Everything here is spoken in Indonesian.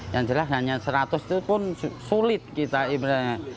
yang jelas hanya seratus itu pun sulit kita imleknya